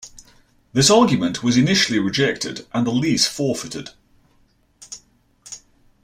This argument was initially rejected, and the lease forfeited.